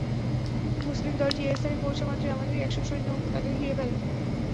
মুসলিম দলটি এ স্থানে পৌঁছা মাত্রই আমাদের একশ সৈন্য তাদের ঘিরে ফেলে।